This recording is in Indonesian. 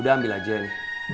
udah ambil aja ini